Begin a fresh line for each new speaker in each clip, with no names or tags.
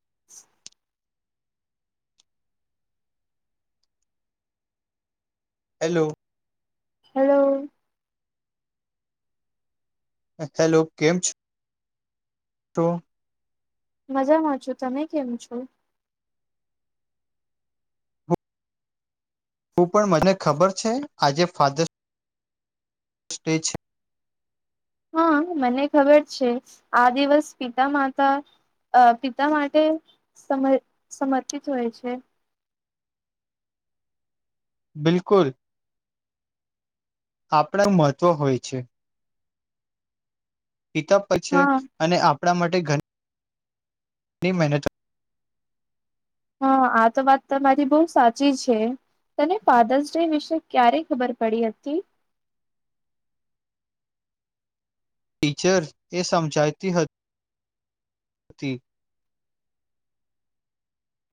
[inaudible]
Hello.
Hello.
Hello કેમ છ તો.
મજામાં છો તમે કેમ છો.
હું પણ મને ખબર છે આજે ફાધર્સ સ્ટે છે
હા મને ખબર છે આ દિવસ પિતા માતા પિતા માટે સમ સમર્પિત હોય છે
બિલકુલ આપણા મહત્ત્વ હોય છે પિકઅપ પ છે
હા
અને આપણા માટે ઘર લી મહેનત
હા આ તો વાત તમારી બહુ સાચી છે તને ફાધર્સ ડે વિશે ક્યારે ખબર પડી હતી
ટીચર્સ એ સમજાતી હતી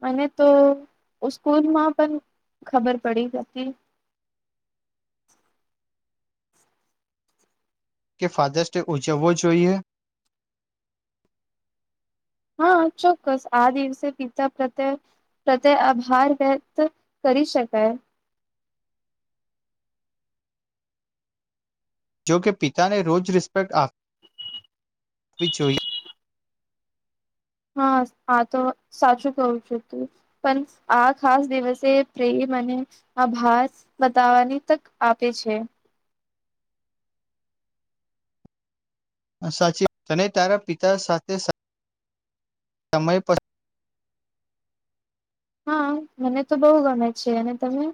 મને તો સ્કૂલમાં પણ ખબર પડી હતી
કે ફાધર્સ ડે ઉજવવો જોઈએ
હા ચોક્કસ આ દિવસે પિતા પ્રત્ય પ્રત્યે આભાર વ્યક્ત કરી શકાય
જો કે પિતાને રોજ રિસ્પેક્ટ આપવી જોઈએ
હા આ તો સાચું કું છું તું પણ આ ખાસ દિવસે પ્રે અને આભાસ બતાવાની તક આપે છે
સાચી અને તારા પિતા સાથે સમય
હા મને તો બહુ ગમે છે અને તમે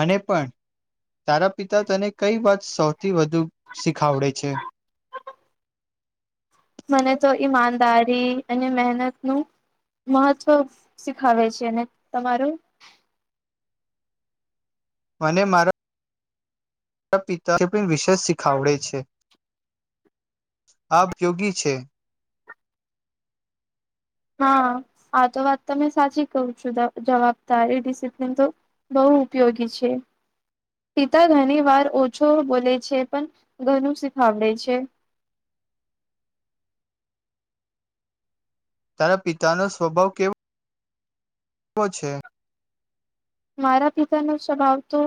મને પણ તારા પિતા તને કઈ વાત સો થી વધુ શીખાવડે છે
મને તો ઈમાનદારી અને મહેનતનુંું મહત્ત્વ શીખાવે છે અને તમારું
મને મારા મારા પિતા વિશેષ શીખાવડે છે આ યોગી છે
હા આ તો વાત તમે સાચી કહું છું જવાબદારી ડિસિપ્લિન તો બહુ ઉપયોગી છે પિતા ઘણી વાર ઓછો બોલે છે પણ ઘણું શીખાવડે છે
તારા પિતાનો સ્વભાવ કેવો શો છે
મારા પિતા ન સ્વભાવ તો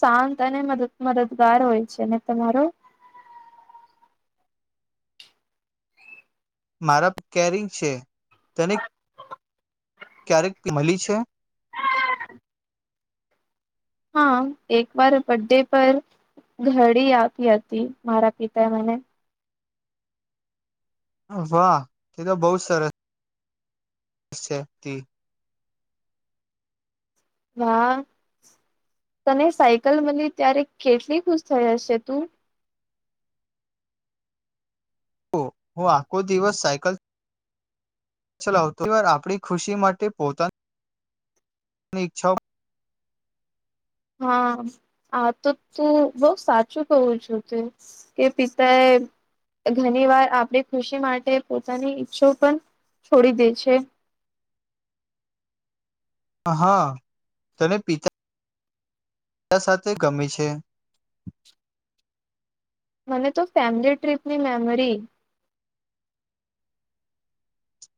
શાંત અને મદદગાર હોય છે ને તમારો
મારા કેરી છે તેને ક્યારેક મળી છે
હા એક વાર બ ડે પર ઘડી આપી હતી મારા પિતાએ મને
વાહ તે તો બહુ સરસ છે
હા તને સાયકલ મળી ત્યારે કેટલી ખુશ થઈ હશે તું
હું આખો દિવસ સાયકલ ચલાવતો વાર આપણી ખુશી માટે પોતાનીની ઈચ્છાઓ
હા આ તો તું બઉ સાચું કવું છું તું કે પિતા એ ઘણી વાર આપણી ખુશી માટે પોતાની ઈચ્છો પણ છોડી દે છે
હા તને પિતા ક સાથે ગમેી છે
મને તો ફેમિલી ટ્રીપની મેમરી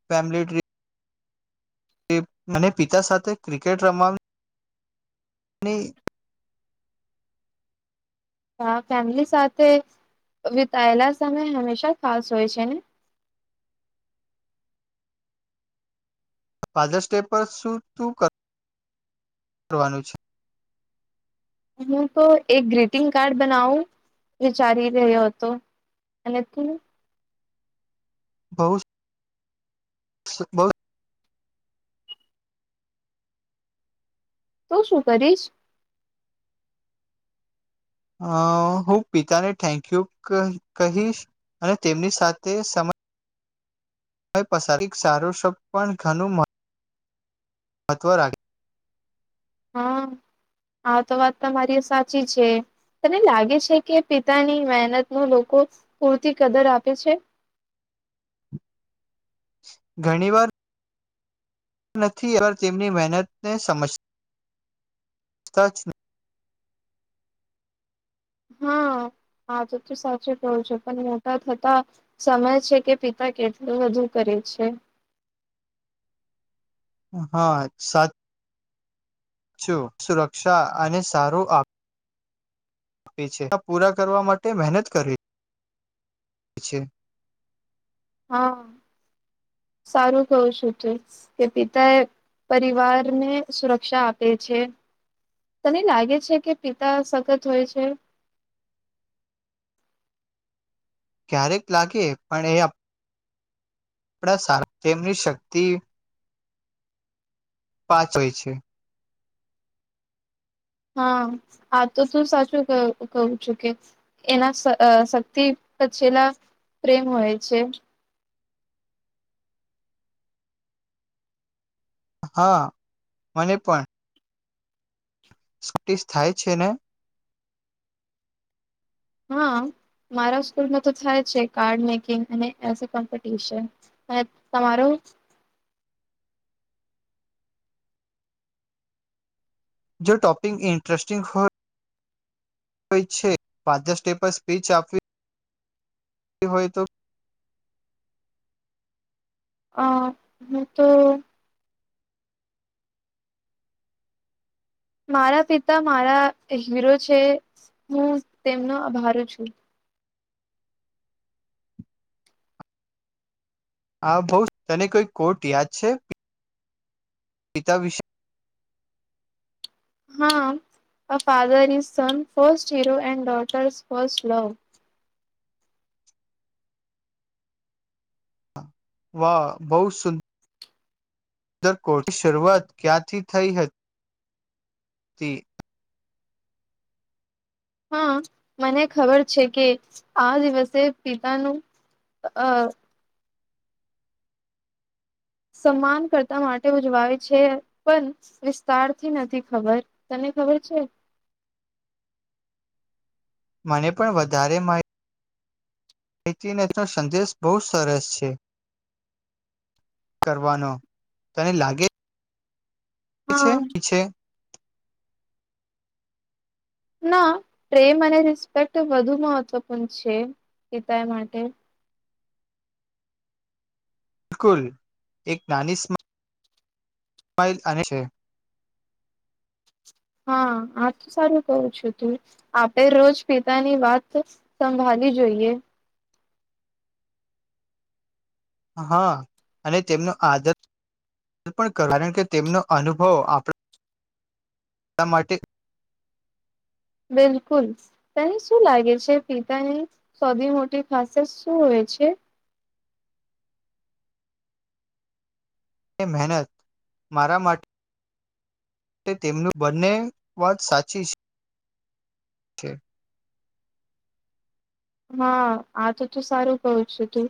ફેમિલી ટ્રિપ મને પિતા સાથે ક્રિકેટ રમા અને
હા ફેમિલી સાથે વિતાયેલા સમય હંમેશા ખાસ હોય છે ને
ફાધર્સ ડે પર શું તું કરવાનું છે
હું તો એક ગ્રીટિંગ કાર્ડ બનાવું વિચારી રહ્યો હતો અને તું
બઉુ બહ
તું શું કરીશ
અ હું પિતાને થેન્ક યુ કહીશ અને તેમની સાથે સમય પસાર સારું શબ પણ ઘણું મહત્વ રાાગે
હા આ તો વાત તમારી સાચી છે તને લાગે છે કે પિતાની મહેનત ન લોકો પૂરતી કદર આપે છે
ઘણી વાર નથી એવાર તેમની મહેનતને સમજતા સાચ ન
હા આ તો તો સાચું કું છે પણ મોટા થતા સમય છે કે પિતા કેટલું વધુ કરે છે
હા સાત જો સુરક્ષા અને સારું આપે છે પૂરા કરવા માટે મહેનત કરી છે
હા સારું કહ છું ત કે પિતા એ પરિવારને સુરક્ષા આપે છે તને લાગે છે કે પિતા સખત હોય છે
ક્યારેક લાગી પણ એ આપણા તેમની શક્તિ પાચ હોય છે
હા આ તો શું સાચું કું છું કે એના શક્તિ પછેલા પ્રેમ હોય છે
હા મને પણ સ્ુટી થાય છે ને
હા મારા સ્કૂલમાં તો થાય છે કાર્ડ મેકિંગ અને એ કોમ્પિટિશન અને તમારો
જો ટોપિક ઇન્ટરેસ્ટિંગ હોય હોય છે વાધ સ્ટે પર સ્પીચ આપવી હોય તો
અ હ તો મારા પિતા મારા હીરો છે હું તેમનો આભારું છું
આ ભઉ તને કોઈ કોર્ટ યાદ છે પીતા વિશે
હા a father is son first hero and daughter's first love
વાહ બહું ઉદર કોર્ટની શરૂઆત ક્યાંથી થઈ હતી
હા મને ખબર છે કે આ દિવસે પિતાનું અ સન્માન કરર્તા માટે ઉજવાય છે પણ વિસ્તારથી નથી ખબર તને ખબર છે
મને પણ વધારે માહિત એચનેચનો સંદેશ બહુ સરસ છે કરવાનો તને લાગે પ
હા
છે પીછે
ના પ્રેમ અને રિસ્પેક્ટ વધુ મહત્વપૂર્ણ છે પિતા એ માટે
બિલકુલ એક નાની સ્માર્ ઇલ અને છે
હા આ તો સારું કવું છું તું આપે રોજ પિતાની વાત સંભાળી જોઈએ
હા અને તેમનો આદર પણ કારણ કે તેમનો અનુભવ આપ એ માટે
બિલકુલ તને શું લાગે છે પિતાની સૌથી મોટી ખાસિયત શું હોય છે
મહેનત મારા માટે તેમનું બંને વાત સાચી છે છે
હા આ તો ત સારું કઉ છું તું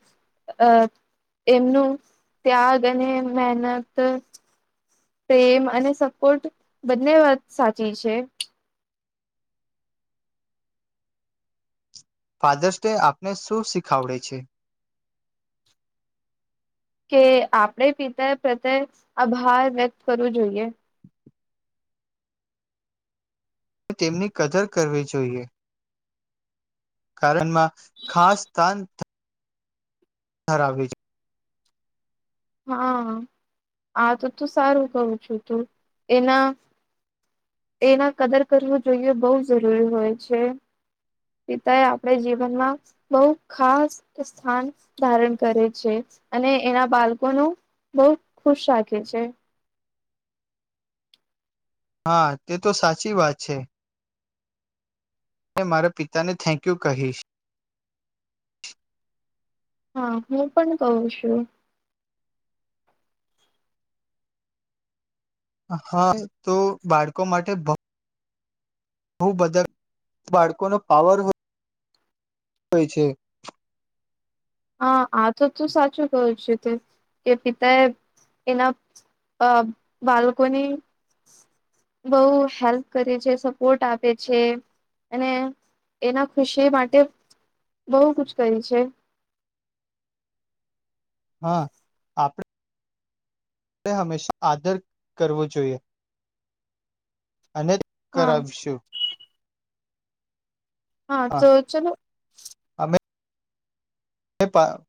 એમનું ત્યાગ અને મહેનત પ્રેમ અને સપોર્ટ બંને વાત સાચી છે
ફાધર્સ ડે આપને શું શીખાવડે છે
કે આપણેે પિતા પ્રત્યે આભાર વ્યક્ત કરવું જોઈએ
તેમની કદર કરવી જોઈએ કારણમાં ખાસ સ્ાન હરાબ છે
હા આ તો તું સારું કહું છું તું એના એના કદર કરવું જોઈએ બહ જરૂરી હોય છે પિતા એ આપણે જીવનમાં બહુ ખાસ સ્થાન ધારણ કરે છે અને એના બાળકોનું બહુ ખુશ રાખે છે
હા તે તો સાચી વાત છે હ મારા પિતાને થેન્ક યુ કહીશ
હા હું પણ કહું છું
હા તો બાળકો માટે બ બધા બાળકો ન પાવર હોય હોઈ છે
હા આ તો ત સાચું કવું છે તે કે પિતા એ એના બાળકોની બહ હેલ્પ કરે છે સપોર્ટ આપે છે અને એના ખુશી માટે બહુ ક કરી છે
હા આપડે આપણે હંમેશા આદર કરવો જોઈએ અને
હા
કરાવશું
હા તો ચલોો
નેપાર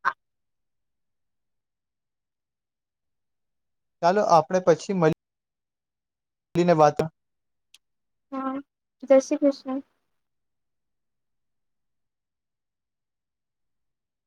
ચાલો આપણે પછી મળ ડીને વાત
હા જય શ્રી કૃષ્ણ.